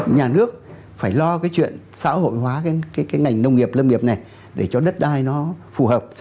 nhà nước phải lo cái chuyện xã hội hóa cái ngành nông nghiệp lâm nghiệp này để cho đất đai nó phù hợp